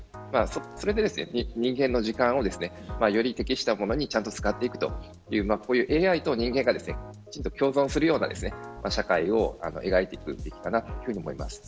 それで人間の時間をより適したものにちゃんと使っていくというＡＩと人間がちゃんと共存するような社会を描いていくべきかなと思います。